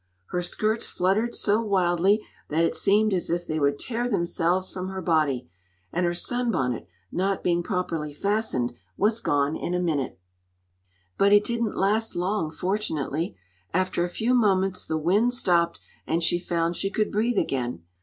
Her skirts fluttered so wildly that it seemed as if they would tear themselves from her body, and her sun bonnet, not being properly fastened, was gone in a minute. But it didn't last long, fortunately. After a few moments the wind stopped, and she found she could breathe again.